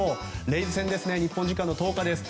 レイズ戦日本時間の１０日です。